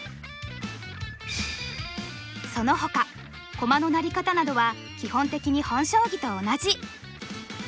そのほか駒の成り方などは基本的に本将棋と同じ。